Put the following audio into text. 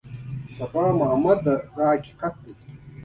سبا معما ده دا حقیقت دی.